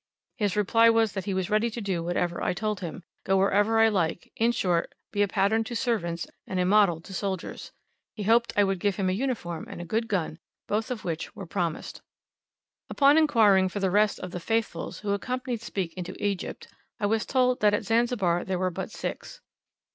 His reply was that he was ready to do whatever I told him, go wherever I liked in short, be a pattern to servants, and a model to soldiers. He hoped I would give him a uniform, and a good gun, both of which were promised. Upon inquiring for the rest of the "Faithfuls" who accompanied Speke into Egypt, I was told that at Zanzibar there were but six.